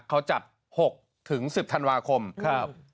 เขาจัด๖๑๐ธันวาคมครับ